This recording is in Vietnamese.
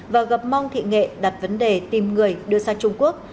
và gặp mong thị nghệ đặt vấn đề tìm người đưa sang trung quốc